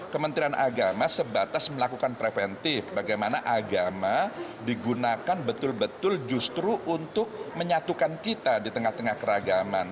kementerian agama sebatas melakukan preventif bagaimana agama digunakan betul betul justru untuk menyatukan kita di tengah tengah keragaman